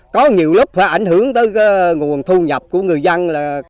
có nhiều lúc phải ảnh hưởng tới nguồn thu nhập của người dân